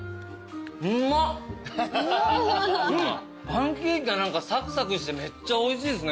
パンケーキが何かサクサクしてめっちゃおいしいですねこれ。